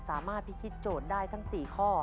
สามารถพิธีโจทย์ได้ทั้ง๔ข้อ